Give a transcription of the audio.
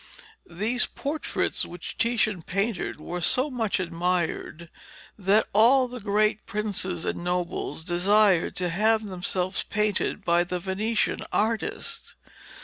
These portraits which Titian painted were so much admired that all the great princes and nobles desired to have themselves painted by the Venetian artist.